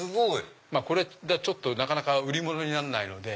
これなかなか売り物になんないので。